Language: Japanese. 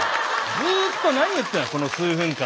ずっと何言ってたこの数分間。